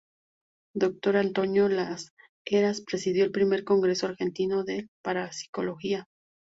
Dr. Antonio Las Heras presidió el Primer Congreso Argentino de Parapsicología.